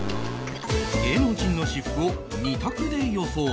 芸能人の私服を２択で予想